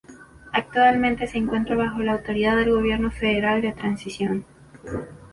Actualmente se encuentra bajo la autoridad del Gobierno Federal de Transición.